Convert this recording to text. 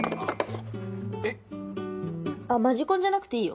あっマジ婚じゃなくていいよ。